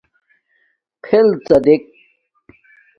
فݵلڎݳ دݵک.